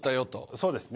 そうですね。